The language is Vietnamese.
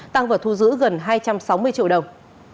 tăng vật thu giữ gần hai trăm sáu mươi triệu đồng